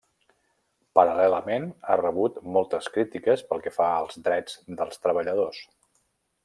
Paral·lelament, ha rebut moltes crítiques pel que fa als drets dels treballadors.